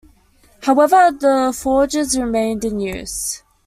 However the forges remained in use.